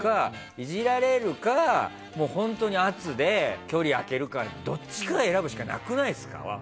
イジられるか、本当に圧で距離を開けるか、どっちかを選ぶしかなくないですか？